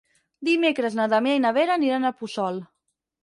Dimecres na Damià i na Vera aniran a Puçol.